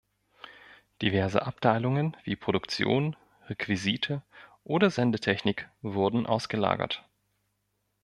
Diverse Abteilungen wie Produktion, Requisite oder Sendetechnik wurden ausgelagert.